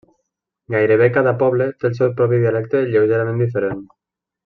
Gairebé cada poble té el seu propi dialecte lleugerament diferent.